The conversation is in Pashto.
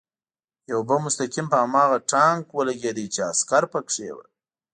یو بم مستقیم په هماغه ټانک ولګېد چې عسکر پکې و